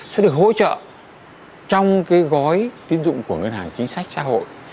sẽ được hỗ trợ trong cái gói tín dụng của ngân hàng chính sách xã hội